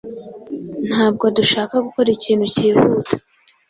Ntabwo dushaka gukora ikintu cyihuta.